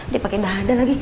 dia pake dada lagi